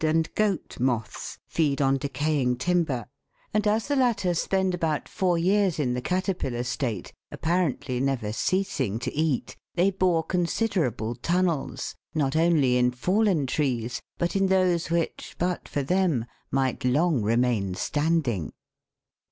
41) and goat moths feed on decaying timber, and as the latter spend about four years in the caterpillar state, appa rently never ceasing to eat, they bore considerable tunnels not only in fallen trees, but in those which, but for them, might long remain standing.